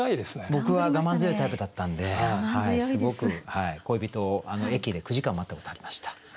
僕は我慢強いタイプだったんですごく恋人を駅で９時間待ったことありました。